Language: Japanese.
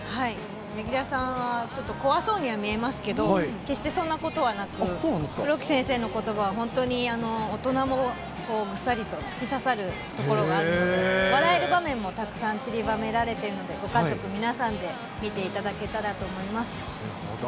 柳楽さんはちょっと怖そうには見えますけれども、決してそんなことはなく、黒木先生のことばは本当に大人もぐさりと突き刺さるところがあるので、笑える場面もたくさんちりばめられているので、ご家族皆さんで見なるほど。